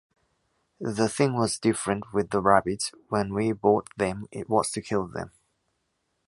The thing was different with the rabbits: when we bought them it was to kill them.